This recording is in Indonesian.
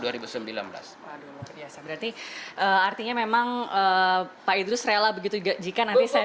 waduh luar biasa berarti artinya memang pak idrus rela begitu jika nanti saya